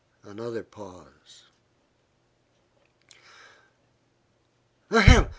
Another pause. "Ahem!